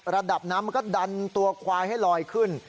ระดับน้ำมันก็ดันตัวควายให้ลอยขึ้น